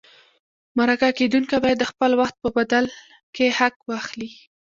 مرکه کېدونکی باید د خپل وخت په بدل کې حق واخلي.